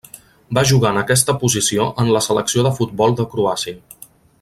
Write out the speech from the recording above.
Va jugar en aquesta posició en la selecció de futbol de Croàcia.